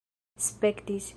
spektis